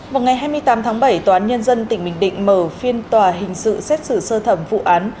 vào ngày hai mươi tám tháng bảy tòa án nhân dân tỉnh bình định mở phiên tòa hình sự xét xử sơ thẩm vụ án